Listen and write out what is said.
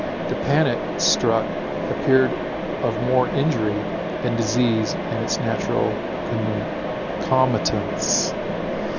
The panic struck appeared of more injury, than disease and its natural concomitants.